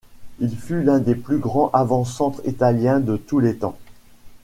Il fut l'un des plus grands avant-centre italiens de tous les temps.